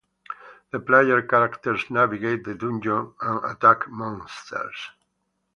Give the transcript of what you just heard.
The player characters navigate the dungeon and attack monsters.